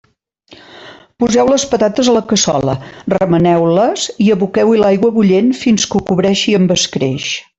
Poseu les patates a la cassola, remeneu-les i aboqueu-hi l'aigua bullent fins que ho cobreixi amb escreix.